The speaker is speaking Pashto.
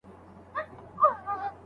سوسیالیزم ټول څیزونه اجتماعي بولي.